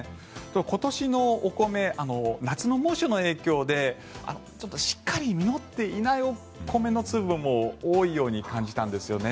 今年のお米、夏の猛暑の影響でちょっとしっかり実っていない米の粒も多いように感じたんですよね。